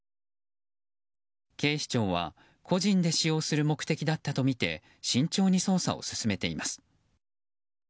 警視庁は個人で使用する目的だたっとみて慎重に捜査を進めています。